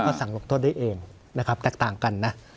ก็สั่งลงโทษได้เองนะครับแตกต่างกันนะ